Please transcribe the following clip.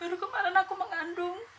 baru kemarin aku mengandung